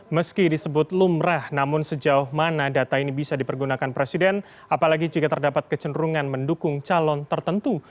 meski disebut lumrah namun sejauh mana data ini bisa dipergunakan presiden apalagi jika terdapat kecenderungan mendukung calon tertentu